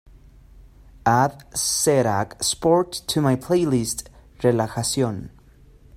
Add ze rak sport to my playlist Relajación